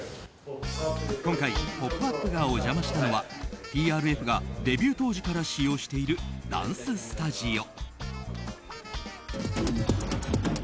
今回、「ポップＵＰ！」がお邪魔したのはＴＲＦがデビュー当時から使用しているダンススタジオ。